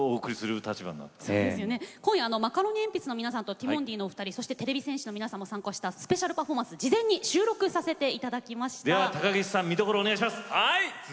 今夜はマカロニえんぴつの皆さんとティモンディのお二人、そしててれび戦士の皆さんも参加したスペシャルパフォーマンス事前に収録させていただきましたのでそちらをご覧いただきたいと思います。